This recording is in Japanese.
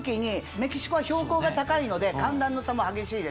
メキシコは標高が高いので寒暖の差も激しいです。